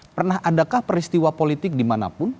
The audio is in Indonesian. pernah adakah peristiwa politik dimanapun